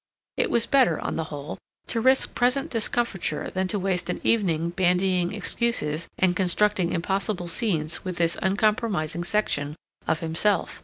It was better, on the whole, to risk present discomfiture than to waste an evening bandying excuses and constructing impossible scenes with this uncompromising section of himself.